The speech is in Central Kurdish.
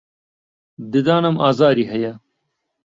ددانم ئازاری هەیە.